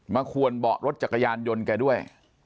ขวนเบาะรถจักรยานยนต์แกด้วย